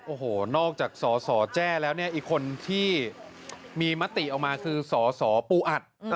โอ้โหนอกจากสสแจ้แล้วเนี่ยอีกคนที่มีมติออกมาคือสสปูอัด